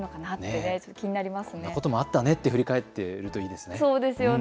こんなこともあったねと振り返っているといいですね。